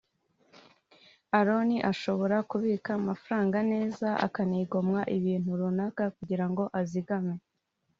Aaron ashobora kubika amafaranga neza akanigomwa ibintu runaka kugira ngo azigame